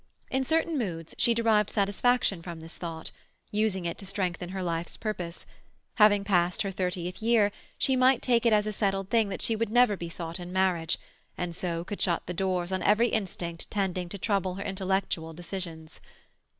In certain moods she derived satisfaction from this thought, using it to strengthen her life's purpose; having passed her thirtieth year, she might take it as a settled thing that she would never be sought in marriage, and so could shut the doors on every instinct tending to trouble her intellectual decisions.